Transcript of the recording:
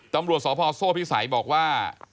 ตำรวจสอบภาษาโซ่พิษัยบอกว่า